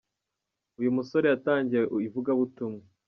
Uyu musore yatangiye ivugabutumwa